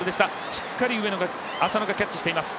しっかり浅野がキャッチしています。